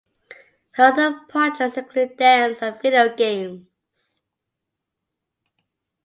Her other projects include dance and video games.